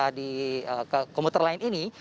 tapi kalau kita lihat saat penumpang ini